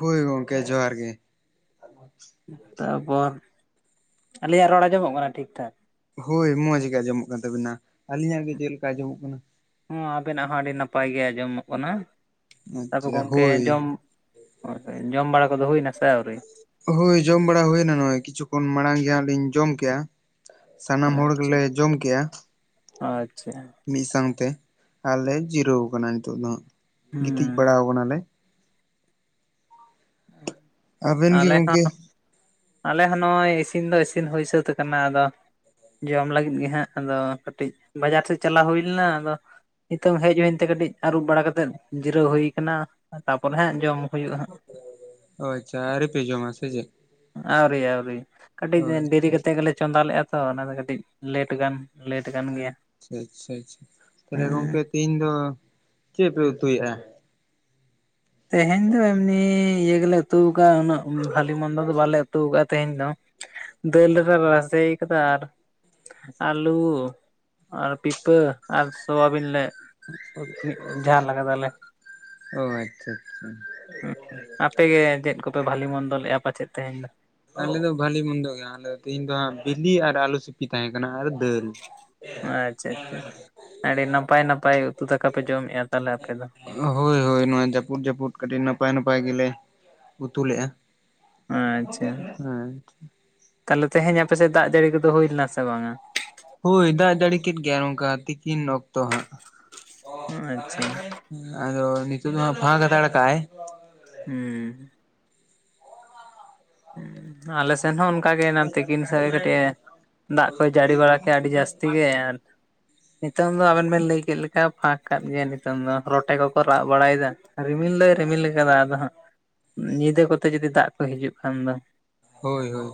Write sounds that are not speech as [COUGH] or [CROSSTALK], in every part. ᱦᱳᱭ ᱜᱚᱢᱠᱮ ᱡᱚᱦᱟᱨ ᱜᱮ᱾ ᱛᱟᱨᱯᱚᱨ ᱟᱞᱮᱭᱟᱜ ᱨᱚᱲ ᱟᱸᱡᱚᱢᱚᱜ ᱠᱟᱱᱟ ᱴᱷᱤᱠ ᱴᱷᱟᱠ? ᱦᱳᱭ ᱢᱚᱸᱡᱽ ᱜᱮ ᱟᱸᱡᱚᱢᱚᱜ ᱠᱟᱱ ᱛᱟᱵᱤᱱᱟ, ᱟᱹᱞᱤᱧᱟᱜ ᱜᱮ ᱪᱮᱫ ᱞᱮᱠᱟ ᱟᱸᱡᱚᱢᱚᱜ ᱠᱟᱱᱟ? ᱦᱩᱸ ᱟᱵᱮᱱᱟᱜ ᱦᱚᱸ ᱟᱹᱰᱤ ᱱᱟᱯᱟᱭ ᱜᱮ ᱟᱸᱡᱚᱢᱚᱜ ᱠᱟᱱᱟ᱾ ᱛᱟᱯᱚᱨᱮ ᱟᱪᱪᱷᱟ ᱜᱚᱝᱠᱮ ᱦᱳᱭ ᱡᱚᱢ, ᱡᱚᱢ ᱵᱟᱲᱟ ᱠᱚᱫᱚ ᱦᱩᱭᱱᱟ ᱥᱮ ᱟᱹᱣᱨᱤ? ᱦᱳᱭ ᱡᱚᱢ ᱵᱟᱲᱟ ᱦᱩᱭᱱᱟ ᱱᱚᱜᱚᱭ ᱠᱤᱪᱷᱩ ᱠᱷᱚᱱ ᱢᱟᱲᱟᱝ ᱜᱮ ᱦᱟᱸᱜ ᱞᱤᱧ ᱡᱚᱢ ᱠᱮᱜᱼᱟ᱾ ᱥᱟᱱᱟᱢ ᱦᱚᱲ ᱟᱪᱪᱷᱟ ᱜᱮᱞᱮ ᱡᱚᱢ ᱠᱮᱜᱼᱟ᱾ ᱟᱪᱪᱷᱟ᱾ ᱢᱤᱫ ᱥᱟᱶᱛᱮ ᱟᱨᱞᱮ ᱡᱤᱨᱟᱹᱣ ᱠᱟᱱᱟ ᱱᱤᱛᱚᱜ ᱫᱚ, ᱜᱤᱛᱤᱡ ᱦᱩᱸ ᱵᱟᱲᱟᱣ ᱠᱟᱱᱟ ᱞᱮ᱾ ᱟᱵᱮᱱ ᱜᱮ ᱟᱞᱮ ᱜᱚᱝᱠᱮ ᱦᱚᱸ ᱟᱞᱮ ᱦᱚᱸ ᱱᱚᱜᱼᱚᱭ ᱤᱥᱤᱱ ᱫᱚ ᱤᱥᱤᱱ ᱦᱩᱭ ᱥᱟᱹᱛ ᱠᱟᱱᱟ ᱟᱫᱚ ᱡᱚᱢ ᱞᱟᱹᱜᱤᱫ ᱜᱮᱦᱟᱸᱜ ᱟᱫᱚ ᱠᱟᱴᱤᱡ ᱵᱟᱡᱟᱨ ᱥᱮᱫ ᱪᱟᱞᱟᱣ ᱦᱩᱭ ᱞᱮᱱᱟ ᱟᱫᱚ ᱱᱤᱛᱚᱝ ᱦᱮᱡ ᱦᱩᱭᱮᱱ ᱛᱮ ᱠᱟᱹᱴᱤᱡ ᱟᱹᱨᱩᱵ ᱵᱟᱲᱟ ᱠᱟᱛᱮᱫ ᱡᱤᱨᱟᱹᱣ ᱦᱩᱭ ᱠᱟᱱᱟ ᱛᱟᱯᱚᱨᱮ ᱦᱟᱸᱜ ᱡᱚᱢ ᱦᱩᱭᱩᱜᱼᱟ᱾ ᱦᱟᱸᱜ ᱚ ᱟᱪᱪᱷᱟ ᱟᱣᱨᱤ ᱯᱮ ᱡᱚᱢᱟ ᱥᱮ ᱪᱮᱫ? ᱟᱹᱣᱨᱤ ᱟᱹᱣᱨᱤ ᱠᱟᱹᱴᱤᱡ ᱚ ᱫᱮᱨᱤ ᱠᱟᱛᱮᱜ ᱜᱮᱞᱮ ᱪᱚᱸᱫᱟ ᱞᱮᱫᱼᱟ ᱛᱚ ᱚᱱᱟ ᱫᱚ ᱠᱟᱹᱴᱤᱡ ᱞᱮᱴ ᱠᱟᱱ ᱟᱪᱪᱷᱟ ᱟᱪᱪᱷᱟ ᱪᱷᱟ, ᱛᱟᱦᱞᱮ ᱦᱮᱸ ᱜᱚᱝᱠᱮ ᱛᱤᱦᱤᱧ ᱫᱚ ᱪᱮᱫ ᱯᱮ ᱩᱛᱩᱭᱼᱟ? ᱛᱮᱦᱮᱧ ᱫᱚ ᱮᱢᱱᱤ ᱤᱭᱟᱹ ᱜᱮᱞᱮ ᱩᱛᱩ ᱟᱠᱟᱟᱜᱼᱟ ᱩᱱᱟᱹᱜ ᱵᱟᱹᱞᱤ ᱢᱚᱱᱫᱟ ᱫᱚ ᱵᱟᱞᱮ ᱩᱛᱩ ᱟᱠᱟᱟᱜᱼᱟ ᱛᱮᱦᱮᱧ ᱫᱚ᱾ ᱫᱟᱹᱞ ᱨᱮ ᱨᱟᱥᱮᱭ ᱠᱟᱫᱟ ᱟᱨ ᱟᱞᱩ ᱟᱨ ᱯᱤᱯᱟᱹ ᱟᱨ ᱥᱳᱣᱟᱵᱤᱱ ᱞᱮ- ᱡᱷᱟᱞ ᱟᱠᱟᱫᱟᱞᱮ ᱚ ᱟᱪᱪᱷᱟ ᱟᱪᱪᱷᱟ᱾ ᱟᱯᱮ ᱜᱮ ᱪᱮᱫ ᱠᱚᱯᱮ ᱵᱷᱟᱞᱤ ᱢᱚᱱᱫᱚᱞᱮᱜᱼᱟ ᱯᱟᱪᱮᱫ ᱛᱮᱦᱮᱧ ᱫᱚ᱾ ᱟᱞᱮ ᱫᱚ ᱵᱷᱟᱞᱤ ᱢᱚᱱᱫᱚ ᱜᱮᱭᱟ ᱟᱞᱮ ᱫᱚ ᱛᱮᱦᱮᱧ ᱫᱚ ᱦᱟᱸᱜ ᱵᱤᱞᱤ ᱟᱨ ᱟᱞᱩ ᱥᱤᱯᱤ ᱾ ᱥᱤᱯᱤ ᱛᱟᱦᱮᱸ ᱠᱟᱱᱟ ᱟᱨ ᱫᱟᱹᱞ᱾ ᱟᱪᱪᱷᱟ ᱟᱪᱪᱷᱟ ᱟᱹᱰᱤ ᱱᱟᱯᱟᱭ ᱱᱟᱯᱟᱭ ᱩᱛᱩ ᱫᱟᱠᱟ ᱯᱮ ᱡᱚᱢᱮᱫ-ᱟ ᱛᱟᱦᱚᱞᱮ ᱟᱯᱮ ᱫᱚ? ᱦᱳᱭ ᱦᱳᱭ ᱱᱚᱣᱟ ᱡᱟᱹᱯᱩᱫ ᱡᱟᱹᱯᱩᱫ ᱠᱟᱹᱴᱤᱡ ᱱᱟᱯᱟᱭ ᱱᱟᱯᱟᱭ ᱜᱮᱞᱮ ᱩᱛᱩ ᱞᱮ-ᱟ᱾ ᱦᱮᱸ ᱟᱪᱪᱷᱟ ᱾ ᱛᱟᱦᱚᱞᱮ ᱛᱮᱦᱮᱧ ᱟᱯᱮ ᱥᱮᱫ ᱫᱟᱜ ᱡᱟᱹᱲᱤ ᱠᱚᱫᱚ ᱦᱩᱭ ᱞᱮᱱᱟ ᱥᱮ ᱵᱟᱝᱟ? ᱦᱳᱭ ᱫᱟᱜ ᱡᱟᱹᱲᱤ ᱠᱮᱫ ᱜᱮᱭᱟ ᱱᱚᱝᱠᱟ ᱛᱤᱠᱤᱱ ᱚᱠᱛᱚ ᱦᱟᱸᱜ ᱾ ᱟᱪᱪᱷᱟ ᱾ ᱟᱫᱚ ᱱᱤᱛᱚᱜ ᱫᱚ ᱯᱷᱟᱸᱠ ᱦᱟᱛᱟᱲ ᱠᱟᱜ-ᱟᱭ᱾ ᱦᱩᱸ ᱾ ᱟᱞᱮ ᱥᱮᱱ ᱦᱚᱸ ᱚᱱ- ᱚᱱᱠᱟᱜᱮ ᱮᱱᱟᱱ ᱛᱤᱠᱤᱱ ᱥᱟᱜᱮ ᱠᱟᱹᱴᱤᱡ ᱫᱟᱜ ᱠᱚᱭ ᱡᱟᱹᱲᱤ ᱵᱟᱲᱟ ᱠᱮᱜ-ᱟ ᱟᱹᱰᱤ ᱡᱟᱹᱥᱛᱤ ᱜᱮ, ᱟᱨ ᱱᱤᱛᱚᱝ ᱫᱚ ᱟᱵᱮᱱ ᱵᱮᱱ ᱞᱟᱹᱭ ᱠᱮᱫ ᱞᱮᱠᱟ ᱯᱷᱟᱸᱠ ᱟᱠᱟᱫ ᱜᱮᱭᱟ ᱱᱤᱛᱚᱝ ᱫᱚ ᱨᱚᱴᱮ ᱠᱚᱠᱚ ᱨᱟᱽᱜ ᱵᱟᱲᱟᱭᱮᱫᱟ ᱾ ᱨᱤᱢᱤᱞ ᱫᱚᱭ ᱨᱤᱢᱤᱞ ᱠᱟᱫᱟ ᱟᱫᱚ ᱦᱟᱸᱜ ᱧᱤᱫᱟᱹ ᱠᱚᱛᱮ ᱡᱩᱫᱤ ᱫᱟᱜ ᱠᱚ ᱦᱤᱡᱩᱜ ᱠᱷᱟᱱ ᱫᱚ᱾ ᱦᱳᱭ ᱦᱳᱭ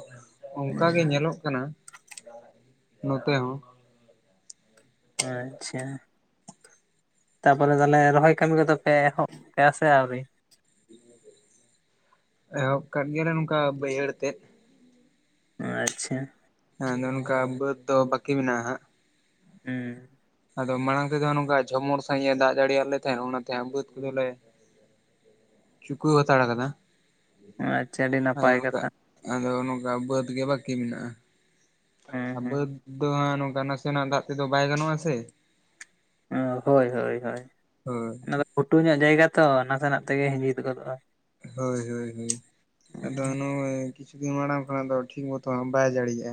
ᱚᱱᱠᱟ ᱜᱮ ᱧᱮᱞᱚᱜ ᱠᱟᱱᱟ ᱱᱚᱛᱮ ᱦᱚᱸ᱾ ᱟᱪᱪᱷᱟ ᱾ ᱛᱟᱯᱚᱨᱮ ᱛᱟᱦᱚᱞᱮ ᱨᱚᱦᱚᱭ ᱠᱟᱹᱢᱤ ᱠᱚᱫᱚ ᱯᱮ ᱮᱦᱚᱵ ᱠᱮᱜ-ᱟ ᱥᱮ ᱟᱨᱣᱨᱤ? ᱮᱦᱚᱵ ᱠᱟᱜ ᱜᱮᱭᱟᱞᱮ ᱱᱚᱠᱟ ᱵᱟᱹᱭ ᱛᱮᱫ, ᱟᱪᱪᱷᱟ ᱾ ᱦᱮᱸ ᱟᱫᱚ ᱱᱚᱝᱠᱟ ᱵᱟᱹᱫᱽ ᱫᱚ ᱵᱟᱠᱤ ᱢᱮᱱᱟᱜ-ᱟ ᱦᱟᱸᱜ᱾ ᱦᱩᱸ᱾ ᱟᱫᱚ ᱢᱟᱲᱟᱝ ᱛᱮᱫᱚ ᱱᱚᱝᱠᱟ ᱡᱷᱚᱢᱚᱨ ᱥᱟᱺᱦᱤᱡ ᱮ ᱫᱟᱜ ᱡᱟᱹᱲᱤᱭᱟᱞᱮ ᱛᱟᱦᱮᱸᱫ ᱚᱱᱟᱛᱮ ᱵᱟᱹᱫᱽ ᱠᱚᱫᱚ ᱞᱮ ᱪᱩᱠᱩᱣ ᱦᱟᱛᱟᱲ ᱠᱟᱱᱟ᱾ ᱟᱪᱪᱷᱟ ᱟᱹᱰᱤ ᱱᱟᱯᱟᱭ ᱠᱟᱛᱷᱟ ᱾ ᱟᱫᱚ ᱱᱚᱝᱠᱟ ᱵᱟᱹᱫᱽ ᱜᱮ ᱵᱟᱠᱤ ᱢᱮᱱᱟᱜ-ᱟ᱾ ᱦᱩᱸ ᱵᱟᱹᱫᱽ ᱦᱩᱸ ᱫᱚ ᱱᱚᱝᱠᱟ ᱱᱟᱥᱮ ᱱᱟᱜ ᱫᱟᱜ ᱛᱮᱫᱚ ᱵᱟᱭ ᱜᱟᱱᱚᱜ ᱟᱥᱮ᱾ ᱚ ᱦᱳᱭ ᱦᱳᱭ ᱦᱳᱭ ᱚᱱᱟᱫᱚ ᱜᱷᱩᱴᱩ ᱧᱚᱜ ᱡᱟᱭᱜᱟ ᱛᱚ ᱱᱟᱥᱮ ᱱᱟᱜ ᱛᱮᱜᱮ ᱦᱤᱸᱡᱤᱫ ᱜᱚᱫᱚᱜ-ᱟ᱾ ᱦᱳᱭ ᱦᱳᱭ ᱦᱳᱭ ᱾ ᱟᱫᱚ ᱱᱚ-ᱚᱭ ᱠᱤᱪᱷᱩ ᱫᱤᱱ ᱢᱟᱲᱟᱝ ᱠᱷᱚᱱᱟᱜ ᱫᱚ ᱴᱷᱤᱠ ᱢᱚᱛᱚ ᱵᱟᱭ ᱡᱟᱲᱤᱮᱟ᱾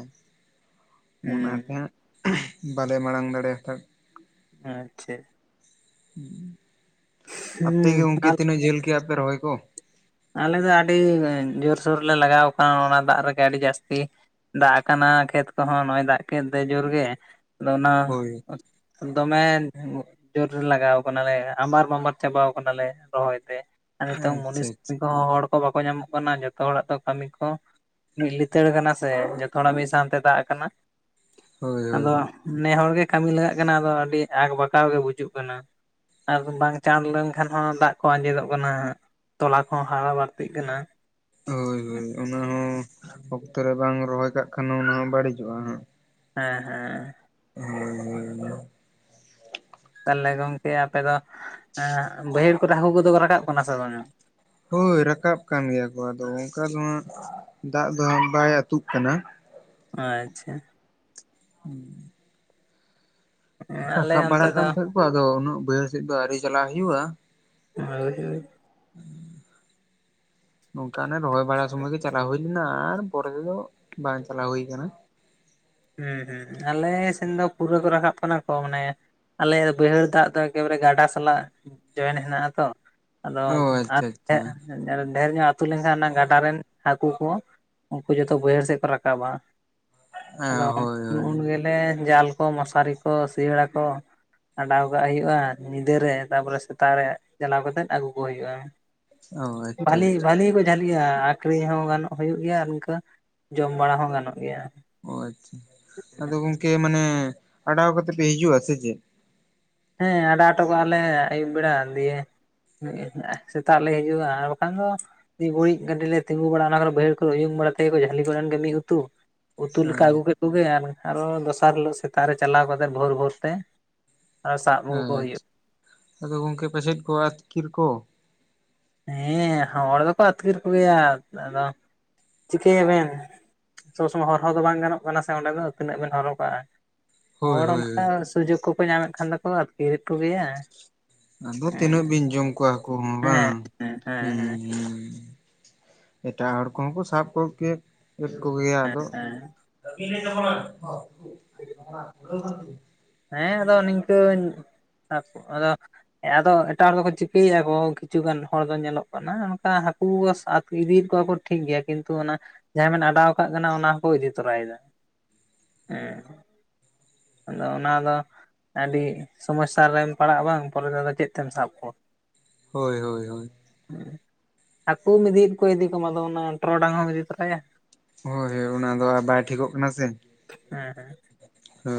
ᱚᱱᱟᱛᱮ ᱦᱩᱸ ᱦᱟᱸᱜ ᱵᱟᱞᱮ ᱢᱟᱲᱟᱝ ᱫᱟᱲᱮ ᱦᱟᱛᱟᱲ [INAUDIBLE] ᱟᱯᱮ ᱜᱮ ᱦᱩᱸ ᱟᱨ ᱜᱚᱢᱠᱮ ᱛᱤᱱᱟ ᱡᱷᱟᱹᱞ ᱠᱮᱜ ᱟᱯᱮ ᱨᱚᱦᱚᱭ ᱠᱚ? ᱟᱞᱮ ᱫᱚ ᱟᱹᱰᱤ ᱡᱳᱨᱥᱳᱨᱞᱮ ᱞᱟᱜᱟᱣ ᱠᱟᱱᱟ ᱚᱱᱟ ᱫᱟᱜ ᱨᱮᱜᱮ ᱟᱹᱰᱤ ᱡᱟᱹᱥᱛᱤ ᱾ ᱫᱟᱜ ᱠᱟᱱᱟ ᱠᱷᱮᱛ ᱠᱚᱦᱚᱸ ᱱᱚ-ᱚᱭ ᱫᱟᱜ ᱠᱮᱫ ᱫᱚ ᱡᱳᱨᱜᱮ ᱟᱫᱚ ᱚᱱᱟ- ᱦᱳᱭ ᱫᱚᱢᱮ- ᱡᱳᱨ ᱨᱮ ᱞᱟᱜᱟᱣ ᱠᱟᱱᱟᱞᱮ ᱟᱢᱵᱟᱨ ᱵᱟᱢᱟᱨ ᱪᱟᱵᱟᱣ ᱠᱟᱱᱟᱞᱮ ᱨᱚᱦᱚᱭ ᱛᱮ ᱟᱨ ᱱᱤᱛᱚᱝ ᱢᱩᱱᱤᱥ ᱟᱪᱪᱷᱟ ᱠᱟᱹᱢᱤ ᱟᱪᱪᱷᱟ ᱠᱚᱦᱚᱸ ᱦᱚᱲ ᱠᱚ ᱵᱟᱠᱚ ᱧᱟᱢᱚᱜ ᱠᱟᱱᱟ ᱡᱚᱛᱚ ᱦᱚᱲᱟᱜ ᱫᱚ ᱠᱟᱹᱢᱤ ᱠᱚ ᱢᱤᱫ ᱞᱤᱛᱟᱹᱲ ᱠᱟᱱᱟ ᱾ ᱥᱮ ᱡᱚᱛᱚ ᱦᱚᱲᱟᱜ ᱢᱤᱫ ᱥᱟᱶᱛᱮ ᱫᱟᱜ ᱠᱟᱱᱟ, ᱦᱳᱭ ᱦᱳᱭ ᱟᱫᱚ ᱱᱮ ᱦᱚᱲ ᱜᱮ ᱠᱟᱹᱢᱤ ᱞᱟᱜᱟᱜ ᱠᱟᱱᱟ ᱟᱫᱚ ᱟᱹᱰᱤ ᱟᱠᱵᱟᱠᱟᱣ ᱜᱮ ᱵᱩᱡᱩᱜ ᱠᱟᱱᱟ ᱾ ᱟᱨ ᱵᱟᱝ ᱪᱟᱬ ᱞᱮᱱᱠᱷᱟᱱ ᱦᱚᱸ ᱫᱟᱜ ᱠᱚ ᱟᱸᱡᱮᱫᱚᱜ ᱠᱟᱱᱟ ᱛᱚᱞᱟ ᱠᱚᱦᱚᱸ ᱦᱟᱨᱟ ᱵᱟᱹᱲᱛᱤᱜ ᱠᱟᱱᱟ ᱾ ᱦᱳᱭ ᱦᱳᱭ ᱚᱱᱟ ᱦᱚᱸ ᱚᱠᱛᱚ ᱨᱮ ᱵᱟᱝ ᱨᱚᱦᱚᱭ ᱠᱟᱜ ᱠᱷᱟᱱ ᱚᱱᱟ ᱦᱚᱸ ᱵᱟᱹᱲᱤᱡᱚᱜ-ᱟ ᱦᱟᱸᱜ ᱾ ᱦᱮᱸ ᱦᱮᱸ᱾ [UNINTELLIGIBLE] ᱛᱟᱦᱚᱞᱮ ᱜᱚᱝᱠᱮ ᱟᱯᱮ ᱫᱚ ᱮᱸ ᱵᱟᱹᱭᱦᱟᱹᱲ ᱠᱚᱨᱮ ᱦᱟᱹᱠᱩ ᱠᱚᱫᱚ ᱠᱚ ᱨᱟᱠᱟᱵ ᱠᱟᱱᱟ ᱥᱮ ᱵᱟᱝ-ᱟ᱾ ᱦᱳᱭ ᱨᱟᱠᱟᱵ ᱠᱟᱱ ᱜᱮᱭᱟ ᱠᱚ ᱟᱫᱚ ᱚᱱᱠᱟ ᱱᱚᱣᱟ ᱫᱟᱜ ᱫᱚ ᱵᱟᱭ ᱟᱛᱩᱜ ᱠᱟᱱᱟ᱾ ᱟᱪᱪᱷᱟ᱾ ᱦᱩᱸ, ᱟᱞᱮ ᱨᱟᱠᱟᱵ ᱚᱱᱛᱮ ᱵᱟᱲᱟᱜ ᱫᱚ ᱠᱟᱱ ᱛᱟᱦᱮᱸᱫ ᱠᱚ, ᱟᱫᱚ ᱩᱱᱟᱹᱜ ᱵᱟᱹᱭᱦᱟᱹᱲ ᱥᱮᱫ ᱫᱚ, ᱟᱣᱨᱤ ᱪᱟᱞᱟᱜ ᱦᱳᱭᱩᱼᱟ᱾ ᱦᱳᱭ - ᱦᱳᱭ᱾ ᱱᱚᱝᱠᱟᱱᱮ ᱨᱚᱦᱚᱭ ᱵᱟᱲᱟ ᱥᱩᱢᱚᱭ ᱜᱮ, ᱪᱟᱞᱟᱣ ᱦᱩᱭ ᱞᱮᱱᱟ ᱾ ᱟᱨ ᱯᱚᱨᱮ ᱛᱮᱫᱚ ᱵᱟᱝ ᱪᱟᱞᱟᱣ ᱦᱳᱭ ᱠᱟᱱᱟ᱾ ᱦᱩᱸ- ᱦᱩᱸ ᱟᱞᱮ ᱥᱮᱱ ᱫᱚ, ᱯᱩᱨᱟᱹ ᱠᱚ ᱨᱟᱠᱟᱵ ᱠᱟᱱᱟ ᱠᱚ ᱢᱟᱱᱮ ᱟᱞᱮᱭᱟᱜ ᱫᱚ ᱵᱟᱹᱭᱦᱟᱹᱲ ᱫᱟᱜ ᱫᱚ, ᱮᱠᱮᱵᱟᱨᱮ ᱜᱟᱰᱟ ᱥᱟᱞᱟᱜ ᱡᱚᱭᱮᱱ ᱦᱮᱱᱟᱜᱼ ᱟ ᱛᱚ᱾ ᱟᱫᱚ ᱚ ᱟᱨ ᱟᱪᱪᱷᱟ ᱟᱪᱪᱷᱟ ᱰᱷᱮᱨ ᱧᱚᱜ ᱟᱹᱛᱩ ᱞᱮᱱᱠᱷᱟᱱ ᱚᱱᱟ, ᱜᱟᱰᱟ ᱨᱮᱱ ᱦᱟᱹᱠᱩ ᱠᱚ ᱩᱱᱠᱩ ᱡᱚᱛᱚ ᱵᱟᱹᱭᱦᱟᱹᱲ ᱥᱡᱜ ᱠᱚ ᱨᱟᱠᱟᱵᱟ᱾ ᱦᱮᱸ ᱟᱫᱚ ᱦᱳᱭ ᱦᱳᱭ ᱩᱱ ᱜᱮᱞᱮ ᱡᱟᱞ ᱠᱚ, ᱢᱚᱥᱟᱨᱤ ᱠᱚ ᱥᱤᱭᱟᱹᱲᱟ ᱠᱚ᱾ ᱟᱰᱟᱣ ᱠᱟᱜ ᱦᱳᱭᱩᱜᱼᱟ, ᱧᱤᱫᱟᱹᱨᱮ ᱛᱟᱯᱚᱨᱮ ᱥᱮᱛᱟᱜ ᱨᱮ ᱪᱟᱞᱟᱣ ᱠᱟᱛᱮᱫ ᱟᱜᱩ ᱠᱚ ᱦᱳᱭᱩᱜᱼᱟ᱾ ᱚ ᱟᱪᱪᱷᱟ ᱵᱷᱟᱞᱤ - ᱟᱪᱪᱷᱟ ᱵᱷᱟᱞᱤ ᱠᱚ ᱡᱷᱟᱞᱤᱭᱟ ᱟᱠᱷᱨᱤᱧ ᱦᱚᱸ ᱜᱟᱱᱚᱜ ᱦᱳᱭᱳᱜ ᱜᱮᱭᱟ, ᱟᱨ ᱤᱱᱠᱟᱹ ᱡᱚᱢ ᱵᱟᱲᱟ ᱦᱚᱸ ᱜᱟᱱᱚᱜ ᱜᱮᱭᱟ᱾ ᱚ ᱟᱪᱪᱷᱟ ᱟᱫᱚ ᱜᱚᱝᱠᱮ ᱢᱟᱱᱮ, ᱟᱰᱟᱣ ᱠᱟᱛᱮ ᱯᱮ ᱦᱤᱡᱩᱜᱼᱟ ᱥᱮ ᱪᱮᱫ? ᱦᱮᱸ ᱟᱰᱟ ᱚᱴᱚ ᱠᱟᱜᱼᱟ ᱞᱮ, ᱟᱭᱩᱵ ᱵᱮᱲᱟ ᱫᱤᱭᱮ ᱥᱮᱛᱟᱜ ᱞᱮ ᱦᱤᱡᱩᱜᱼᱟ, ᱟᱨ ᱵᱟᱠᱷᱟᱱ ᱫᱚ ᱤᱫᱤ ᱩᱭᱤᱡ ᱜᱟᱹᱰᱤ ᱞᱮ ᱛᱤᱸᱜᱩ ᱵᱟᱲᱟᱜᱼᱟ, ᱚᱱᱟ ᱠᱚᱨᱮ ᱵᱟᱹᱦᱟᱹᱲ ᱠᱚᱨᱮ ᱩᱭᱩᱝ ᱵᱟᱲᱟ ᱛᱮᱜᱮᱠᱚ ᱡᱷᱟᱹᱞᱤ ᱠᱚᱫᱽ ᱮᱱ ᱜᱮ ᱢᱤᱜ ᱩᱛᱩ᱾ ᱩᱛᱩ ᱞᱮᱠᱟ ᱟᱜᱩ ᱠᱮᱜ ᱠᱚᱜᱮ, ᱟᱨ ᱟᱨᱚ ᱫᱚᱥᱟᱨ ᱦᱤᱞᱳᱜ ᱥᱮᱛᱟᱜ ᱨᱮ ᱪᱟᱞᱟᱣ ᱠᱟᱛᱮᱫ, ᱵᱷᱳᱨ - ᱵᱷᱳᱨ ᱛᱮ ᱟᱨᱚ ᱥᱟᱵ ᱟᱹᱜᱩ ᱠᱚ ᱦᱮᱸ ᱟᱪᱪᱷᱟ, ᱦᱩᱭᱩᱜᱼᱟ ᱟᱫᱚ ᱜᱚᱝᱠᱮ ᱯᱟᱥᱮᱡ ᱠᱚ ᱟᱹᱛᱠᱤᱨ ᱠᱚ᱾ ᱦᱮᱸᱻ ᱦᱚᱲ ᱫᱚᱠᱚ ᱟᱹᱛᱠᱤᱨ ᱠᱚ ᱜᱮᱭᱟ, ᱟᱫᱚ ᱪᱤᱠᱟᱹ ᱭᱟᱵᱮᱱ᱾ ᱥᱚᱵᱽ ᱥᱚᱢᱚᱭ ᱦᱚᱨᱦᱚ ᱫᱚ ᱵᱟᱝ ᱜᱟᱱᱚᱜ ᱠᱟᱱᱟ ᱥᱮ, ᱚᱸᱰᱮ ᱫᱚ ᱛᱤᱱᱟᱹᱜ ᱵᱮᱱ ᱦᱚᱨᱦᱚ ᱠᱟᱜᱼᱟ᱾ ᱦᱳᱭ ᱦᱚᱲ ᱦᱳᱭ ᱚᱱᱠᱟ ᱦᱳᱭ ᱥᱩᱡᱳᱠ ᱠᱚᱠᱚ ᱧᱟᱢᱮᱫ ᱠᱷᱟᱱ ᱫᱚᱠᱚ, ᱟᱹᱛᱠᱤᱨᱮᱫ ᱠᱚᱜᱮᱭᱟ᱾ ᱟᱫᱚ ᱛᱤᱱᱟᱹᱜ ᱵᱤᱱ ᱦᱮᱸ ᱡᱚᱢ ᱠᱚᱣᱟ? ᱠᱚᱦᱚᱸ ᱵᱟᱸ ᱦᱮᱸ ᱦᱮᱸ ᱦᱮᱸ ᱦᱮᱸ ᱦᱩᱸ- ᱦᱩᱸ᱾ ᱮᱴᱟᱜ ᱦᱚᱲ ᱠᱚᱦᱚᱸ ᱠᱚ ᱥᱟᱵ ᱠᱚᱜ ᱠᱮᱜ ᱠᱚᱜᱮᱭᱟ ᱟᱫᱚᱜ ᱦᱮᱸ ᱠᱟᱹᱢᱤ ᱞ [UNINTELLIGIBLE] ᱛ [UNINTELLIGIBLE] ᱦᱮᱸ ᱟᱫᱚ ᱱᱤᱝᱠᱟᱹᱧ ᱟᱸᱜ ᱠᱚ ᱟᱫᱚ᱾ ᱦᱮᱸ ᱟᱫᱚ ᱮᱴᱟᱜ ᱦᱚᱲ ᱫᱚᱠᱚ ᱪᱤᱠᱟᱹᱭᱮᱭᱟ ᱠᱚ, ᱠᱤᱪᱷᱩ ᱜᱟᱱ ᱦᱚᱲ ᱫᱚ ᱧᱮᱞᱚᱜ ᱠᱟᱱᱟ ᱚᱱᱠᱟ ᱦᱟᱠᱩ ᱥᱟᱛ ᱤᱫᱤᱭᱮᱫ ᱠᱚᱣᱟ ᱠᱚ᱾ ᱴᱷᱤᱠ ᱜᱮᱭᱟ ᱠᱤᱱᱛᱩ ᱚᱱᱟ ᱡᱟᱦᱟᱸ ᱵᱮᱱ ᱟᱰᱟᱣ ᱠᱟᱜ ᱠᱟᱱᱟ, ᱚᱱᱟ ᱦᱚᱸᱠᱚ ᱤᱫᱤ ᱛᱚᱨᱟᱭᱮᱫᱟ᱾ ᱦᱮᱸ, ᱟᱫᱚ ᱚᱱᱟ ᱫᱚ ᱟᱹᱰᱤ ᱥᱚᱢᱚᱥᱥᱟ ᱨᱮᱢ ᱯᱟᱲᱟᱜᱼᱟ, ᱵᱟᱝ ᱯᱚᱨᱮ ᱛᱮᱫᱚ ᱪᱮᱫ ᱛᱮᱢ ᱥᱟᱵ ᱠᱚᱣᱟ᱾ ᱦᱳᱭ - ᱦᱳᱭ - ᱦᱳᱭ᱾ ᱦᱩᱸ ᱦᱟᱠᱩᱢ ᱤᱫᱤᱭᱤᱫ ᱠᱚ ᱤᱫᱤ ᱠᱚᱢ ᱟᱫᱚ ᱚᱱᱟ ᱴᱨᱚᱰᱟᱝ ᱦᱚᱸᱢ ᱤᱫᱤ ᱛᱚᱨᱟᱭᱟ᱾ ᱦᱚᱭ - ᱦᱳᱭ ᱚᱱᱟ ᱫᱚ ᱟᱨ, ᱵᱟᱭ ᱴᱷᱤᱠᱚᱜ ᱠᱟᱱᱟ ᱥᱮ ᱦᱮᱸ ᱦᱮᱸ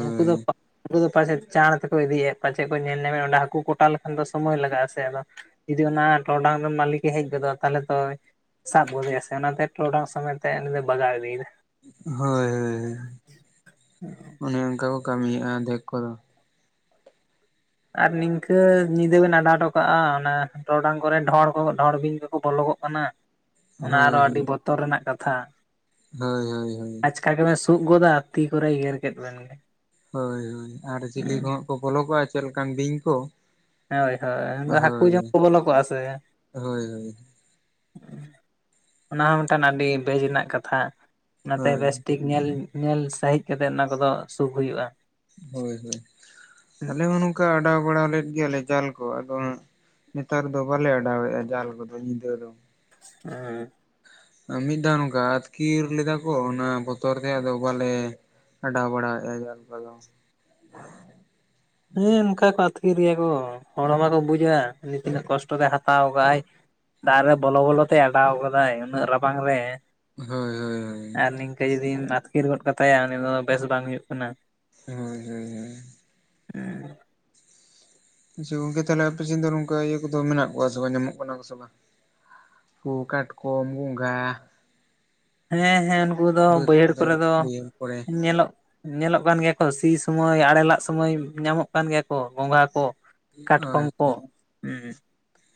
ᱩᱱᱠᱩ ᱫᱚ ᱩᱱᱠᱩ ᱫᱚ ᱯᱟᱥᱮᱫ ᱪᱟᱬ ᱛᱮᱠᱚ ᱤᱫᱤᱭᱮᱫ, ᱯᱟᱪᱮᱜ ᱠᱚ ᱧᱮᱞ ᱧᱟᱢᱮᱫ ᱚᱸᱰᱮ ᱦᱟᱠᱩ ᱠᱚᱴᱟ ᱞᱮᱠᱷᱟᱱ ᱫᱚ ᱥᱚᱢᱚᱭ ᱞᱟᱜᱟᱜᱼᱟ ᱥᱮ, ᱟᱫᱚ ᱡᱩᱫᱤ ᱚᱱᱟᱻ ᱴᱨᱚᱰᱟᱝ ᱨᱮᱱ ᱢᱟᱞᱤᱠᱮ ᱦᱮᱡ ᱜᱚᱫᱚᱜᱼᱟ, ᱛᱟᱦᱞᱮ ᱛᱚᱭ ᱥᱟᱵ ᱜᱟᱫᱮᱭᱟ ᱥᱮ, ᱚᱱᱟᱛᱮ ᱴᱨᱚᱰᱟᱝ ᱥᱚᱢᱮᱛ ᱮ ᱵᱟᱜᱟᱣ ᱤᱫᱤᱭᱫᱟ᱾ ᱦᱳᱭ - ᱦᱳᱭ ᱚᱱᱮ ᱚᱝᱠᱟ ᱠᱚ ᱠᱟᱹᱢᱤ ᱭᱮᱜᱼᱟ ᱟᱫᱷᱮᱠ ᱠᱚᱫᱚ᱾ ᱟᱨ ᱱᱤᱝᱠᱟᱹ ᱧᱤᱫᱟᱹ ᱵᱮᱱ ᱟᱰᱟᱣ ᱴᱚ ᱠᱟᱜᱼᱟ, ᱚᱱᱮᱷ ᱴᱨᱚᱰᱟᱝ ᱠᱚᱨᱮ ᱰᱷᱚᱸᱲ ᱠᱚᱜᱚ ᱰᱷᱚᱸᱲ ᱵᱤᱧ ᱠᱚᱠᱚ ᱵᱚᱞᱚᱜ ᱚᱱᱟᱜ - ᱚᱱᱟ ᱟᱨᱚ ᱟᱰᱤ ᱦᱳᱭ ᱵᱚᱛᱚᱨ ᱨᱮᱱᱟᱜ ᱠᱟᱛᱷᱟ᱾ ᱦᱳᱭ - ᱦᱳᱭ- ᱦᱳᱭ᱾ ᱟᱪᱠᱟ ᱜᱮᱵᱮᱱ ᱥᱩᱜ ᱜᱚᱫᱟ, ᱛᱤ ᱠᱚᱨᱮ ᱜᱮᱨ ᱠᱮᱫ ᱵᱮᱱᱜᱮ᱾ ᱦᱳᱭ - ᱦᱳᱭ ᱟᱨ ᱪᱤᱞᱤ ᱠᱚ ᱦᱟᱸᱜ ᱠᱚ ᱵᱚᱞᱚ ᱠᱚᱜᱼᱟ, ᱪᱮᱫ ᱞᱮᱠᱟᱱ ᱵᱤᱧ ᱠᱚ᱾ ᱦᱳᱭ - ᱦᱳᱭ, ᱦᱟᱠᱩ ᱦᱳᱭ ᱡᱚᱢ ᱠᱚ ᱵᱚᱞᱚ ᱠᱚᱜᱼᱟ ᱥᱮ᱾ ᱦᱳᱭ ᱦᱳᱭ ᱚᱱᱟ ᱦᱚᱸ ᱢᱤᱫᱴᱟᱱ ᱟᱰᱤ ᱵᱮᱡᱽ ᱨᱮᱱᱟᱜ ᱠᱟᱛᱷᱟ, ᱚᱱᱟᱛᱮ ᱦᱳᱭ ᱵᱮᱥᱴᱷᱤᱠ ᱧᱮᱞ - ᱧᱮᱞ ᱥᱟᱹᱦᱤᱡ ᱠᱟᱛᱮ ᱚᱱᱟ ᱠᱚᱫᱚ ᱥᱩᱜ ᱦᱩᱭᱩᱜᱼᱟ᱾ ᱦᱳᱭ ᱦᱳᱭ, ᱟᱞᱮ ᱦᱚᱸ ᱱᱚᱝᱠᱟ ᱟᱰᱟᱣ ᱵᱟᱲᱟ ᱞᱮᱫ ᱜᱮᱭᱟᱞᱮ ᱡᱟᱞ ᱠᱚ ᱟᱫᱚ ᱦᱟᱸᱜ ᱱᱮᱛᱟᱨ ᱫᱚ ᱵᱟᱞᱮ ᱮᱰᱟᱣᱮᱜᱼᱟ ᱡᱟᱞ ᱠᱚᱫᱚ ᱧᱤᱫᱟᱹ ᱫᱚ᱾ ᱮᱸᱻ ᱢᱤᱫ ᱫᱷᱟᱣ ᱱᱚᱝᱠᱟ ᱟᱹᱛᱠᱤᱨ ᱞᱮᱫᱟ ᱠᱚ ᱚᱱᱟ ᱵᱚᱛᱚᱨ ᱛᱮ ᱟᱫᱚ ᱵᱟᱞᱮ ᱮᱰᱟᱣ ᱵᱟᱲᱟᱭ ᱮᱫᱟ ᱡᱟᱞ ᱠᱚᱫᱚ ᱾ [INAUDIBLE] ᱦᱮᱸ, ᱚᱱᱠᱟ ᱠᱚ ᱟᱹᱛᱠᱤᱨ ᱜᱮᱭᱟ ᱠᱚ ᱦᱚᱲ ᱢᱟᱠᱚ ᱵᱩᱡᱟ ᱩᱱᱤ ᱛᱤᱱᱟᱹᱜ ᱠᱚᱥᱴᱚᱮ ᱦᱟᱛᱟᱣ ᱠᱟᱜ ᱟᱭ᱾ ᱫᱟᱜ ᱨᱮ ᱵᱚᱞᱚ ᱵᱚᱞᱚ ᱛᱮᱭ ᱚᱰᱟᱣ ᱠᱟᱫᱟᱭ ᱩᱱᱟᱹᱜ ᱨᱟᱵᱟᱝ ᱨᱮ᱾ ᱦᱳᱭ ᱦᱳᱭ, ᱦᱳᱭ ᱟᱨ ᱱᱤᱝᱠᱟᱹ ᱡᱚᱫᱫᱤᱧ ᱟᱹᱛᱠᱤᱨ ᱜᱚᱫ ᱠᱟᱛᱟᱭᱟ ᱩᱱᱤ ᱫᱚ ᱵᱮᱥ ᱵᱟᱝ ᱦᱩᱭᱩᱜ ᱠᱟᱱᱟ᱾ ᱦᱳᱭ ᱦᱳᱭ ᱦᱳᱭ, ᱦᱮᱸ, ᱟᱪᱪᱷᱟ, ᱜᱚᱝᱠᱮ ᱛᱟᱦᱞᱮ ᱟᱞᱮᱥᱮᱱ ᱫᱚ ᱱᱚᱝᱠᱟ ᱤᱭᱟᱹ ᱠᱚᱫᱚ ᱢᱮᱱᱟᱜ ᱠᱚᱣᱟ ᱥᱮ ᱵᱟᱝ ᱧᱟᱢᱚᱜ ᱠᱟᱱᱟ ᱠᱚ ᱥᱮ ᱵᱟᱝ? ᱦᱟᱠᱩ ᱠᱟᱴᱠᱚᱢ ᱜᱚᱸᱜᱷᱟ ᱦᱮᱸ ᱦᱮᱸ, ᱩᱱᱠᱩ ᱫᱚ ᱵᱟᱹᱫᱽ ᱵᱟᱹᱭᱦᱟᱹᱲ ᱠᱚᱨᱮ ᱫᱚ ᱵᱟᱹᱭᱦᱟᱹᱲ ᱠᱚᱨᱮ ᱧᱮᱞᱚᱜ ᱧᱮᱞᱚᱜ ᱠᱟᱱ ᱜᱮᱭᱟ ᱠᱚ ᱥᱤ ᱥᱩᱚᱢᱚᱭ, ᱟᱲᱮ ᱞᱟᱜ ᱥᱚᱢᱚᱭ, ᱧᱟᱢᱚᱜ ᱠᱟᱱ ᱜᱮᱭᱟ ᱠᱚ ᱜᱚᱸᱜᱷᱟ ᱠᱚ᱾ ᱠᱟᱴᱠᱚᱢ ᱠᱚ ᱟᱪᱪᱷᱟ ᱦᱮᱸ,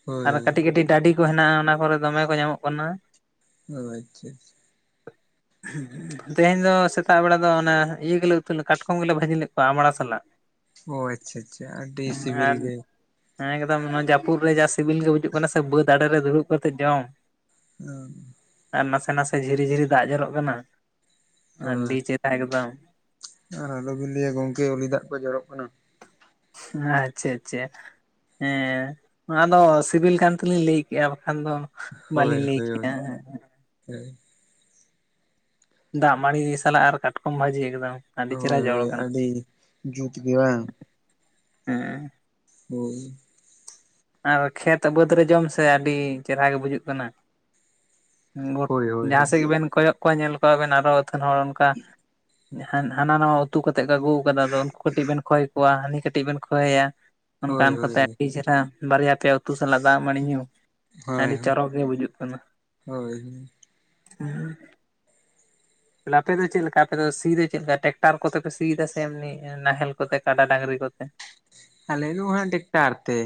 ᱦᱳᱭ ᱟᱨ ᱠᱟᱹᱴᱤᱡ ᱠᱟᱹᱴᱤᱡ ᱰᱟᱹᱰᱤ ᱠᱚ ᱦᱮᱱᱟᱜᱼᱟ ᱚᱱᱟ ᱠᱚᱨᱮ ᱫᱚᱢᱮ ᱠᱚ ᱧᱟᱢᱚᱜ ᱠᱟᱱᱟ᱾ ᱚ ᱟᱪᱪᱷᱟ ᱟᱪᱷᱟ, ᱦᱮᱸ ᱦᱮᱸ, ᱛᱮᱦᱮᱧ ᱫᱚ ᱥᱮᱛᱟᱜ ᱵᱮᱲᱟ ᱫᱚ ᱚᱱᱟ ᱤᱭᱟᱹ ᱜᱮᱞᱮ ᱩᱛᱩ ᱠᱟᱴᱠᱚᱢ ᱜᱮᱞᱮ ᱵᱷᱟᱹᱡᱤ ᱞᱮᱫ ᱠᱚᱣᱟ ᱟᱢᱲᱟ ᱥᱟᱞᱟᱜ᱾ ᱚ ᱟᱪᱪᱷᱟ ᱟᱪᱪᱷᱟ, ᱟᱹᱰᱤ ᱥᱤᱵᱤᱞ ᱜᱮ᱾ ᱦᱮᱸ ᱮᱠᱫᱚᱢ ᱱᱚᱣᱟ ᱡᱟᱹᱯᱩᱫ ᱨᱮ ᱡᱟ ᱥᱤᱵᱤᱞ ᱜᱮ ᱵᱩᱡᱩᱜ ᱠᱟᱱᱟ ᱥᱮ ᱵᱟᱹᱫ ᱟᱲᱮ ᱨᱮ ᱫᱩᱲᱩᱵ ᱠᱟᱛᱮᱫ ᱡᱚᱢ᱾ ᱦᱮᱸ ᱟᱨ ᱱᱟᱥᱮ ᱱᱟᱥᱮ ᱡᱷᱤᱨᱤ ᱡᱷᱤᱨᱤ ᱫᱟᱜ ᱡᱚᱨᱚᱜ ᱠᱟᱱᱟ, ᱦᱳᱭ ᱟᱰᱤ ᱪᱮᱦᱨᱟ ᱮᱠᱫᱚᱢ᱾ ᱟᱨ ᱟᱞᱚᱵᱤᱱ ᱞᱟᱹᱭᱟ ᱜᱚᱝᱠᱮ ᱩᱞᱤ ᱫᱟᱜ ᱠᱚ ᱡᱚᱨᱚᱜ ᱠᱟᱱᱟ᱾ ᱟᱪᱪᱷᱟ ᱟᱪᱪᱷᱟ ᱦᱮᱸ ᱟᱫᱚ ᱥᱤᱵᱤᱞ ᱠᱟᱱ ᱛᱮᱞᱤᱧ ᱞᱟᱹᱭ ᱠᱮᱜᱼᱟ ᱵᱟᱠᱷᱟᱱ ᱫᱚ ᱦᱳᱭ ᱵᱟᱹᱞᱤᱧ ᱞᱟᱹᱭ ᱦᱳᱭ ᱠᱮᱜᱼᱟ ᱦᱳᱭ, ᱫᱟᱜ ᱢᱟᱹᱲᱤ ᱥᱟᱞᱟᱜ ᱟᱨ ᱠᱟᱴᱠᱚᱢ ᱵᱷᱟᱹᱡᱤ ᱮᱠᱫᱚᱢ᱾ ᱟᱹᱰᱤ ᱪᱮᱦᱨᱟ ᱦᱳᱭ ᱡᱚᱲ ᱦᱳᱭ ᱠᱟᱱᱟ ᱟᱹᱰᱤ ᱡᱩᱛ ᱜᱤ ᱵᱟᱝ? ᱦᱮᱸ ᱦᱩᱸ, ᱟᱨ ᱠᱷᱮᱛ ᱵᱟᱹᱫ ᱨᱮ ᱡᱚᱢ ᱥᱮ ᱟᱹᱰᱤ ᱪᱮᱨᱦᱟ ᱜᱮ ᱵᱩᱡᱩᱜ ᱠᱟᱱᱟ᱾ ᱦᱳᱭ ᱦᱳᱭ ᱡᱟᱦᱟᱸ ᱥᱮᱫ ᱜᱮᱵᱮᱱ ᱠᱚᱭᱚᱜ ᱠᱚᱣᱟ ᱧᱮᱞ ᱠᱚᱣᱟᱵᱮᱱ ᱟᱨᱚ ᱟᱹᱛᱷᱟᱹᱱ ᱦᱚᱲ ᱚᱱᱠᱟ ᱦᱟᱱᱟ ᱱᱟᱣᱟ ᱩᱛᱩ ᱠᱟᱛᱮᱜ ᱠᱚ ᱟᱹᱜᱩᱣᱟ ᱠᱟᱫᱟ ᱟᱫᱚ ᱩᱱᱠᱩ ᱠᱟᱹᱴᱤᱡ ᱵᱮᱱ ᱠᱷᱚᱭ ᱠᱚᱣᱟ ᱦᱟᱹᱱᱤ ᱠᱟᱴᱤᱡ ᱵᱮᱱ ᱠᱷᱚᱭᱮᱭᱟ᱾ ᱚᱱᱠᱟ ᱦᱳᱭ ᱦᱳᱭ ᱦᱳᱭ ᱚᱱᱠᱟᱛᱮ ᱟᱹᱰᱤ ᱪᱮᱦᱨᱟ ᱵᱟᱨᱭᱟ ᱯᱮᱭᱟ ᱩᱛᱩ ᱥᱟᱞᱟᱜ ᱫᱟᱜ ᱢᱟᱹᱲᱤ ᱧᱩ ᱦᱳᱭ ᱟᱹᱰᱤ ᱦᱳᱭ ᱪᱚᱨᱚᱠ ᱜᱮ ᱵᱩᱡᱩᱜ ᱠᱟᱱᱟ᱾ ᱦᱳᱭ ᱦᱮᱸ ᱛᱟᱦᱞᱮ ᱟᱯᱮᱫᱚ ᱪᱮᱫ ᱞᱮᱠᱟ ᱟᱯᱮ ᱫᱚ ᱥᱤ ᱫᱚ ᱪᱮᱫ ᱞᱮᱠᱟ ᱴᱮᱠᱴᱟᱨ ᱠᱚᱛᱮᱯᱮ ᱥᱤᱭ ᱫᱟ ᱥᱮ ᱮᱢᱱᱤ? ᱱᱟᱦᱮᱞ ᱠᱚᱛᱮ ᱠᱟᱰᱟ ᱰᱟᱝᱨᱤ ᱠᱚᱛᱮ᱾ ᱟᱞᱮ ᱫᱚ ᱦᱟᱸᱜ ᱴᱮᱠᱴᱟᱨ ᱛᱮ᱾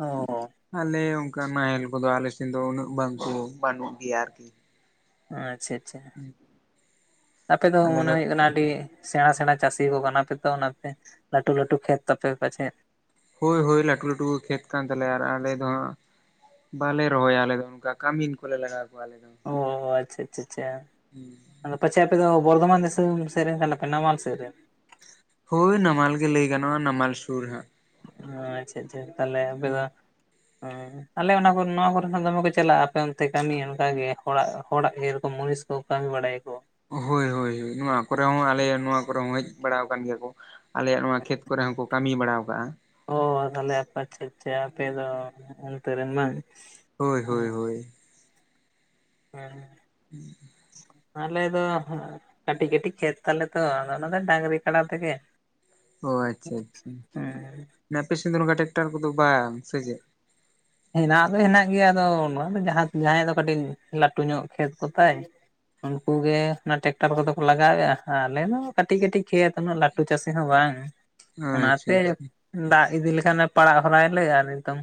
ᱚᱻ ᱟᱞᱮ ᱚᱱᱠᱟ ᱱᱟᱦᱮᱞ ᱠᱚᱫᱚ ᱟᱞᱮᱥᱮᱱ ᱫᱚ ᱩᱱᱟᱹᱜ ᱵᱟᱝᱠᱚ ᱵᱟᱹᱱᱩᱜ ᱜᱮᱭᱟ ᱟᱨᱠᱤ᱾ ᱟᱪᱪᱷᱟ ᱟᱪᱪᱷᱟ, ᱟᱯᱮ ᱫᱚ ᱢᱚᱱᱮ ᱦᱩᱭᱩᱜ ᱠᱟᱱᱟ ᱟᱹᱰᱤ ᱥᱮᱬᱟ ᱥᱮᱬᱟ ᱪᱟᱹᱥᱤ ᱠᱚ ᱠᱟᱱᱟᱯᱮ ᱛᱚ, ᱚᱱᱟᱛᱮ ᱞᱟᱹᱴᱩ ᱞᱟᱹᱴᱩ ᱠᱷᱮᱛ ᱛᱟᱯᱮ ᱯᱟᱪᱮᱫ? ᱦᱳᱭ ᱦᱳᱭ ᱞᱟᱹᱴᱩ ᱞᱟᱹᱴᱩ ᱜᱮ ᱠᱷᱮᱛ ᱠᱟᱱ ᱛᱟᱞᱮᱭᱟ, ᱟᱨ ᱟᱞᱮ ᱫᱚ ᱦᱟᱸᱜ ᱵᱟᱞᱮ ᱨᱚᱦᱚᱭᱟ ᱟᱞᱮ ᱫᱚ, ᱚᱱᱠᱟ ᱠᱟᱹᱢᱤᱱ ᱠᱚᱞᱮ ᱞᱟᱜᱟᱣ ᱠᱚᱣᱟ ᱟᱞᱮ ᱫᱚ᱾ ᱚ, ᱟᱪᱪᱷᱟ ᱟᱪᱪᱷᱟ ᱟᱪᱪᱷᱟ᱾ ᱦᱩᱸ᱾ ᱟᱫᱚ ᱯᱟᱪᱷᱮ ᱟᱯᱮ ᱫᱚ ᱵᱚᱨᱫᱚᱢᱟᱱ ᱫᱤᱥᱚᱢ ᱥᱮᱫ ᱨᱮᱱ ᱠᱟᱱᱟ ᱯᱮ, ᱱᱟᱢᱟᱞ ᱥᱮᱫ ᱨᱮᱱ? ᱦᱳᱭ ᱱᱟᱢᱟᱞ ᱜᱮ ᱞᱟᱹᱭ ᱜᱟᱱᱚᱜ-ᱟ, ᱱᱟᱢᱟᱞ ᱥᱩᱨ ᱦᱟᱸᱜ᱾ ᱟᱪᱪᱷᱟ ᱟᱪᱪᱷᱟ, ᱛᱟᱦᱞᱮ ᱟᱯᱮ ᱫᱚ ᱮᱸ ᱟᱞᱮ ᱚᱱᱟ ᱠᱚ ᱱᱚᱣᱟ ᱠᱚᱨᱮ ᱦᱚᱸ ᱫᱚᱢᱮ ᱠᱚ ᱪᱟᱞᱟᱜ-ᱟ ᱟᱯᱮ ᱚᱱᱛᱮ ᱠᱟᱹᱢᱤ ᱚᱱᱠᱟ ᱜᱮ ᱦᱚᱲᱟᱜ, ᱦᱚᱲᱟᱜ ᱡᱮᱨᱚᱠᱚᱢ ᱢᱩᱱᱤᱥ ᱠᱚ ᱠᱟᱹᱢᱤ ᱵᱟᱲᱟᱭᱟᱠᱚ᱾ ᱦᱩᱸ, ᱱᱚᱣᱟ ᱠᱚᱨᱮ ᱦᱚᱸ ᱟᱞᱮ ᱱᱚᱣᱟ ᱠᱚᱨᱮ ᱦᱚᱸ ᱦᱮᱡ ᱵᱟᱲᱟᱣ ᱠᱟᱱ ᱜᱮᱭᱟ ᱠᱚ᱾ ᱟᱞᱮᱭᱟᱜ ᱱᱚᱣᱟ ᱠᱷᱮᱛ ᱠᱚᱨᱮ ᱦᱚᱸᱠᱚ ᱠᱟᱹᱢᱤ ᱵᱟᱲᱟᱣ ᱠᱟᱜ-ᱟ᱾ ᱚ, ᱛᱟᱦᱞᱮ ᱟᱪᱪᱷᱟ ᱟᱪᱷᱟ ᱟᱪᱷᱟ, ᱟᱯᱮ ᱫᱚ ᱚᱱᱛᱮ ᱨᱮᱱ ᱵᱟᱝ? ᱦᱳᱭ ᱦᱳᱭ ᱦᱮᱸ ᱦᱳᱭ᱾ ᱦᱮᱸ᱾ ᱦᱩᱸ᱾ ᱟᱞᱮ ᱫᱚ ᱠᱟᱹᱴᱤᱡ ᱠᱟᱹᱴᱤᱡ ᱠᱷᱮᱛ ᱛᱟᱞᱮ ᱛᱚ, ᱟᱫᱚ ᱚᱱᱟ ᱫᱚ ᱰᱟᱝᱨᱤ ᱠᱟᱰᱟ ᱛᱮᱜᱮ᱾ ᱚ ᱟᱪᱪᱷᱟ ᱟᱪᱪᱷᱟ, ᱦᱮᱸ ᱟᱯᱮ ᱥᱮᱫ ᱫᱚ ᱱᱚᱝᱠᱟᱱ ᱴᱮᱠᱴᱟᱨ ᱠᱚᱫᱚ ᱵᱟᱝ ᱥᱮ ᱪᱮᱫ? ᱦᱮᱱᱟᱜ ᱫᱚ ᱦᱮᱱᱟᱜ ᱜᱮᱭᱟ ᱟᱫᱚ ᱱᱚᱣᱟ ᱫᱚ ᱡᱟᱦᱟᱸ- ᱡᱟᱦᱟᱸᱭᱟᱜ ᱫᱚ ᱠᱟᱹᱴᱤᱡ ᱞᱟᱹᱴᱩ ᱧᱚᱜ ᱠᱷᱮᱛ ᱠᱚᱛᱟᱭ᱾ ᱩᱱᱠᱩ ᱜᱮ ᱚᱱᱟ ᱴᱮᱠᱴᱟᱨ ᱠᱚᱫᱚ ᱠᱚ ᱞᱟᱜᱟᱣᱮᱜ-ᱟ ᱟᱞᱮᱢᱟ ᱠᱟᱹᱴᱤᱡ ᱠᱟᱹᱴᱤᱡ ᱠᱷᱮᱛ ᱩᱱᱟᱹᱜ ᱞᱟᱹᱴᱩ ᱪᱟᱹᱥᱤ ᱦᱚᱸ ᱵᱟᱝ ᱟᱪᱪᱷᱟ ᱚᱱᱟᱛᱮ᱾ ᱟᱪᱪᱷᱟ ᱫᱟᱜ ᱤᱫᱤ ᱞᱮᱠᱷᱟᱱᱮ ᱯᱟᱲᱟᱜ ᱦᱚᱨᱟᱭᱟᱞᱮ ᱟᱨ ᱱᱤᱛᱳᱝ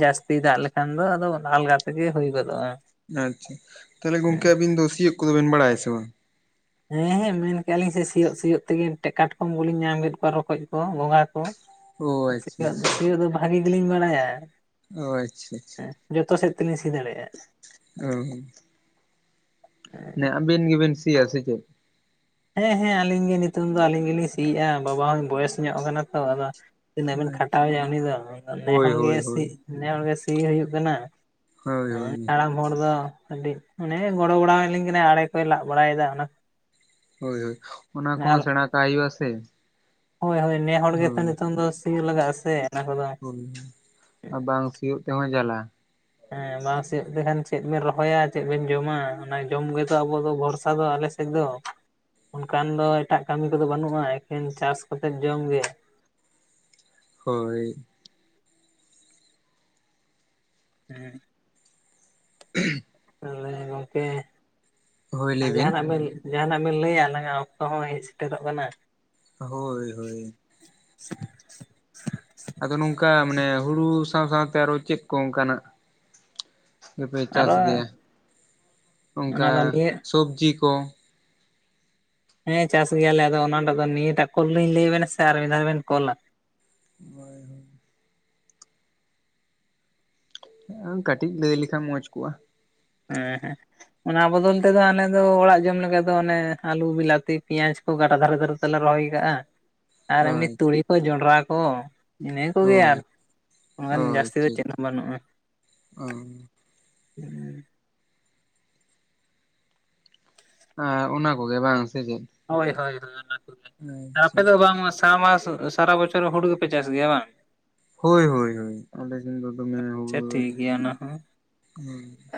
ᱡᱟᱹᱥᱛᱤ ᱫᱟᱜ ᱞᱮᱠᱷᱟᱱ ᱫᱚ ᱟᱫᱚ ᱚᱱᱟ ᱟᱞᱜᱟ ᱛᱮᱜᱮ ᱦᱩᱭ ᱜᱚᱫᱚᱜ-ᱟ᱾ ᱟᱪᱪᱷᱟ, ᱛᱚᱵᱮ ᱜᱚᱝᱠᱮ ᱟᱵᱤᱱ ᱫᱚ ᱥᱤᱭᱳᱜ ᱠᱚᱫᱚ ᱵᱤᱱ ᱵᱟᱲᱟᱭᱟ ᱥᱮ ᱵᱟᱝ? ᱦᱮᱸ ᱦᱮᱸ ᱢᱮᱱᱠᱮᱜ-ᱟᱞᱤᱧ ᱥᱮ ᱥᱤᱭᱳᱜ ᱥᱤᱭᱳᱜ ᱛᱮᱜᱮ ᱠᱟᱴᱠᱚᱢ ᱠᱚᱞᱤᱧ ᱧᱟᱢ ᱠᱮᱫ ᱠᱚᱣᱟ, ᱨᱚᱠᱚᱡ ᱠᱚ, ᱜᱚᱸᱜᱷᱟ ᱠᱚ᱾ ᱚ [UNINTELLIGIBLE] ᱟᱪᱪᱷᱟ ᱥᱤᱭᱳᱜ ᱟᱪᱪᱷᱟ ᱫᱚ ᱥᱤᱭᱳᱜ ᱫᱚ ᱵᱷᱟᱜᱤ ᱜᱮᱞᱤᱧ ᱵᱟᱲᱟᱭᱟ᱾ ᱚ ᱟᱪᱪᱷᱟ ᱟᱪᱪᱷᱟ ᱦᱮᱸ ᱡᱚᱛᱚ ᱥᱮᱫ ᱛᱮᱞᱤᱧ ᱥᱤ ᱫᱟᱲᱮᱭᱟᱜ-ᱟ᱾ ᱱᱮ ᱟᱵᱤᱱ ᱜᱮᱵᱤᱱ ᱥᱤᱭᱟ ᱥᱮ ᱪᱮᱫ? ᱦᱮᱸ ᱦᱮᱸ ᱟᱞᱤᱧ ᱜᱮ ᱱᱤᱛᱳᱝ ᱫᱚ ᱟᱞᱤᱧ ᱜᱮᱞᱤᱧ ᱥᱤᱭᱮᱜ-ᱟ ᱵᱟᱵᱟ ᱦᱚᱸ ᱵᱚᱭᱮᱥ ᱧᱚᱜ ᱠᱟᱱᱟ ᱛᱚ, ᱟᱫᱚ ᱛᱤᱱᱟᱹᱜ ᱵᱮᱱ ᱠᱷᱟᱴᱟᱣᱮᱭᱟ ᱩᱱᱤ ᱫᱚ, ᱮᱱᱠᱷᱟᱱ ᱱᱮ ᱦᱳᱭ ᱦᱚᱲᱜᱮ ᱦᱳᱭ ᱥᱤ, ᱦᱳᱭ ᱱᱮ ᱦᱚᱲᱜᱮ ᱥᱤ ᱦᱩᱭᱩᱜ ᱠᱟᱱᱟ᱾ ᱦᱳᱭ ᱦᱳᱭ ᱦᱟᱲᱟᱢ ᱦᱚᱲ ᱫᱚ ᱠᱟᱹᱴᱤᱡ ᱢᱟᱱᱮ ᱜᱚᱲᱚ ᱵᱟᱲᱟᱣᱟᱞᱤᱧ ᱠᱟᱱᱟ, ᱟᱲᱮ ᱠᱚᱭ ᱞᱟᱜ ᱵᱟᱲᱟᱭᱮᱫᱟ ᱚᱱᱟ ᱦᱳᱭ ᱦᱳᱭ ᱚᱱᱟ ᱠᱚᱦᱚᱸ ᱥᱮᱬᱟ ᱠᱟᱜ ᱦᱩᱭᱩᱜ-ᱟ ᱥᱮ᱾ ᱦᱳᱭ ᱦᱳᱭ ᱱᱮ ᱦᱚᱲ ᱜᱮᱛᱚ ᱦᱳᱭ ᱱᱤᱛᱳᱝ ᱫᱚ ᱥᱤ ᱞᱟᱜᱟᱜ-ᱟ ᱥᱮ ᱚᱱᱟ ᱠᱚᱫᱚ᱾ ᱦᱩᱸ᱾ ᱵᱟᱝ ᱥᱤᱭᱳᱜ ᱛᱮᱦᱚᱸ ᱡᱟᱞᱟ᱾ ᱦᱮᱸ ᱵᱟᱝ ᱥᱤᱭᱳᱜ ᱛᱮᱠᱷᱟᱱ ᱪᱮᱫ ᱵᱮᱱ ᱨᱚᱦᱚᱭᱟ, ᱪᱮᱫ ᱵᱤᱱ ᱡᱚᱢᱟ, ᱚᱱᱟ ᱡᱚᱢ ᱜᱮᱛᱚ ᱟᱵᱚ ᱫᱚ ᱵᱷᱚᱨᱥᱟ ᱫᱚ ᱟᱞᱮ ᱛᱮ ᱫᱚ ᱚᱱᱠᱟᱱ ᱫᱚ ᱮᱴᱟᱜ ᱠᱟᱹᱢᱤ ᱠᱚᱫᱚ ᱵᱟᱹᱱᱩᱜ-ᱟ ᱮᱠᱮᱱ ᱪᱟᱥ ᱠᱟᱛᱮᱫ ᱡᱚᱢ ᱜᱮ᱾ ᱦᱳᱭ᱾ ᱦᱩᱸ᱾ [INAUDIBLE] ᱛᱟᱦᱞᱮ ᱜᱚᱝᱠᱮ ᱦᱳᱭ ᱟᱨ ᱞᱟᱹᱭ ᱡᱟᱸᱦᱟᱱᱟᱜ ᱵᱤᱱ ᱡᱟᱸᱦᱟᱱᱟᱜ ᱵᱤᱱ ᱞᱟᱹᱭᱟ? ᱟᱞᱟᱝᱟᱜ ᱚᱠᱛᱚ ᱦᱚᱸ ᱦᱮᱡ ᱥᱮᱴᱮᱨᱚᱜ ᱠᱟᱱᱟ᱾ ᱦᱳᱭ ᱦᱳᱭ᱾ [INAUDIBLE] ᱟᱫᱚ ᱱᱚᱝᱠᱟ ᱢᱟᱱᱮ ᱦᱩᱲᱩ ᱥᱟᱶ ᱥᱟᱶᱛᱮ ᱟᱨᱚ ᱪᱮᱫ ᱠᱚ ᱚᱱᱠᱟᱱᱟᱜ? ᱫᱚᱯᱮ ᱪᱟᱥ ᱟᱨᱚ ᱜᱮᱭᱟ ᱚᱱᱟ ᱚᱱᱠᱟ ᱫᱚ ᱱᱤᱭᱟᱹ ᱥᱚᱵᱽᱡᱤ ᱠᱚ? ᱦᱮᱸ ᱪᱟᱥ ᱜᱮᱭᱟᱞᱮ ᱟᱫᱚ ᱚᱱᱟᱴᱟᱜ ᱫᱚ ᱱᱤᱭᱟᱹᱴᱟᱜ ᱠᱚᱞ ᱞᱤᱧ ᱞᱟᱹᱭᱟᱵᱤᱱᱟ ᱥᱮ ᱟᱨ ᱢᱤᱫ ᱫᱷᱟᱣ ᱵᱤᱱ ᱠᱚᱞᱟ? ᱦᱟᱭ ᱦᱳᱭ ᱠᱟᱹᱴᱤᱡ ᱞᱟᱹᱭ ᱞᱮᱠᱷᱟᱱ ᱢᱚᱸᱡᱽ ᱠᱚᱜᱼᱟ ᱦᱮᱸ ᱦᱮᱸ ᱚᱱᱟ ᱵᱚᱫᱚᱞ ᱛᱮᱫᱚ ᱟᱞᱮ ᱫᱚ ᱚᱲᱟᱜ ᱡᱚᱢ ᱞᱮᱠᱟ ᱫᱚ ᱚᱱᱮ ᱟᱹᱞᱩ ᱵᱤᱞᱟᱛᱤ ᱯᱮᱸᱭᱟᱡ ᱜᱟᱰᱟ ᱫᱷᱟᱨᱮ ᱫᱷᱟᱨᱮ ᱛᱮᱞᱮ ᱨᱚᱦᱚᱭ ᱠᱟᱜᱼᱟ ᱟᱨ ᱮᱢᱱᱤ ᱦᱳᱭ ᱛᱩᱲᱤ ᱠᱚ ᱡᱚᱱᱰᱨᱟ ᱠᱚ ᱤᱱᱟᱹ ᱠᱚᱜᱮ ᱦᱳᱭ ᱟᱨ ᱚ ᱡᱟᱹᱥᱛᱤ ᱫᱚ ᱟᱪᱪᱷᱟ ᱪᱮᱫ ᱦᱚᱸ ᱵᱟᱹᱱᱩᱜᱼᱟ ᱾ ᱟᱪᱪᱷᱟ ᱦᱮᱸ ᱟᱨ ᱚᱱᱟ ᱠᱚᱜᱮ ᱵᱟᱝ ᱥᱮ ᱪᱮᱫ? ᱦᱳᱭ ᱦᱳᱭ ᱦᱳᱭ ᱚᱱᱟ ᱠᱚᱜᱮ ᱟᱪᱪᱷᱟ ᱟᱯᱮ ᱫᱚ ᱵᱟᱝ [INAUDIBLE] ᱥᱟ ᱢᱟᱥ ᱥᱟᱨᱟ ᱵᱚᱪᱷᱚᱨ ᱦᱩᱲᱩ ᱜᱮᱯᱮ ᱪᱟᱥ ᱜᱮᱭᱟ ᱵᱟᱝ? ᱦᱳᱭ ᱦᱳᱭ ᱦᱳᱭ ᱟᱞᱮ ᱥᱮᱱ ᱫᱚ ᱫᱚᱢᱮ ᱟᱪᱪᱷᱟ ᱦᱩᱲᱩ ᱴᱷᱤᱠ ᱜᱮᱭᱟ ᱚᱱᱟ ᱦᱚᱸ [UNINTELLIGIBLE]